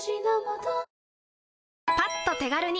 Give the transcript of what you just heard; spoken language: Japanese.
パッと手軽に！